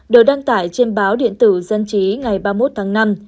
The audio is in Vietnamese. đều đăng tải trên báo điện tử dân trí ngày ba mươi một tháng năm